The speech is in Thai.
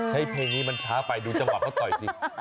ให้เพลงนี้มันช้าไปดูจังหวะเขาต่อยสิ